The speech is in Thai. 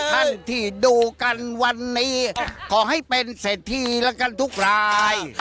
ท่านที่ดูกันวันนี้ขอให้เป็นเศรษฐีแล้วกันทุกราย